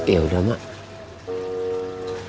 ya udah mak